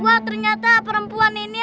wah ternyata perempuan ini